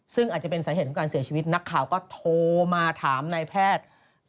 ซึ่งอาจจะเป็นสาเหตุของการเสียชีวิตนักข่าวก็โทรมาถามนายแพทย์